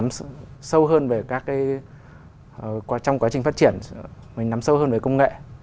mình nắm sâu hơn về các cái trong quá trình phát triển mình nắm sâu hơn về công nghệ